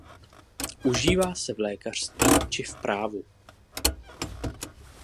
Užívá se v lékařství či v právu.